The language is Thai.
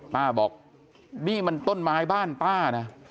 บอกนี่มันต้นไม้บ้านป้านะ